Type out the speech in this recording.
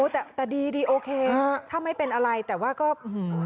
แต่ดีโอเคถ้าไม่เป็นอะไรแต่ว่าก็อย่างนี้